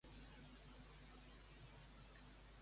Què van exigir-li els familiars de Licimni a Tlepòlem?